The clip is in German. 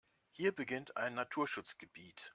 Hier beginnt ein Naturschutzgebiet.